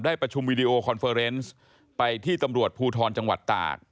ประชุมวิดีโอคอนเฟอร์เนสไปที่ตำรวจภูทรจังหวัดตาก